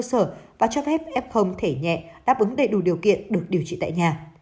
cơ sở và cho phép f thể nhẹ đáp ứng đầy đủ điều kiện được điều trị tại nhà